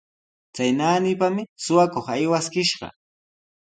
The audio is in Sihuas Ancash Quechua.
Chay naanipami suqakuq aywaskishqa.